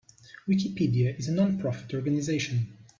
Wikipedia is a non-profit organization.